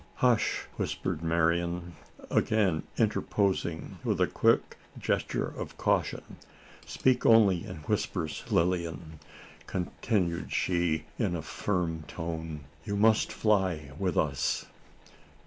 "Hush!" whispered Marian, again interposing with a quick gesture of caution. "Speak only in whispers! Lilian!" continued she in a firm tone, "you must fly with us!"